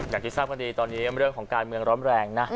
อย่างที่ทราบกันดีตอนนี้เรื่องของการเมืองร้อนแรงนะ